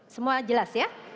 semua jelas ya